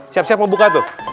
siap siap mau buka tuh